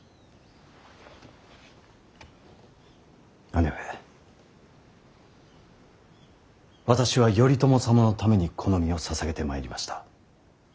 姉上私は頼朝様のためにこの身を捧げてまいりました。